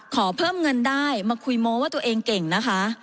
ขอเพิ่มเงินได้มาคุยโม้ว่าตัวเองเก่งนะคะ